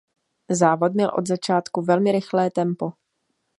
Závod měl od začátku velmi rychlé tempo.